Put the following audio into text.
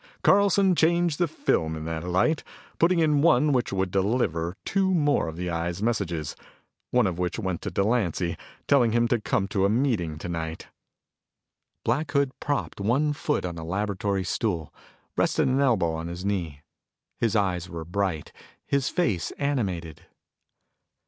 "Carlson changed the film in that light, putting in one which would deliver two more of the Eye's messages one of which went to Delancy, telling him to come to a meeting tonight." Black Hood propped one foot on a laboratory stool, rested an elbow on his knee. His eyes were bright, his face animated.